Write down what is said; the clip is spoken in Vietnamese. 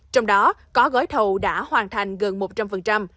trong đó có gói thầu đã hoàn thành gần một trăm linh